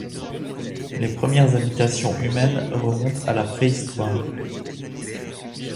Les premières habitations humaines remontent à la préhistoire.